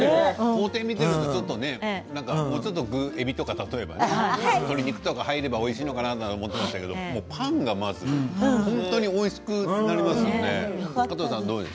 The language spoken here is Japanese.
工程を見ているともうちょっと具、えびとか鶏肉が入ればおいしいのかなと思ったけどパンがまず本当においしくなりますね。